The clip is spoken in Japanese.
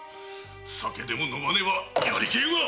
酒でも飲まねばやりきれんわ！